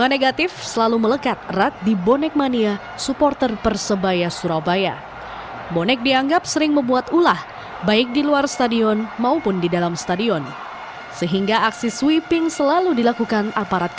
niat merubah sikap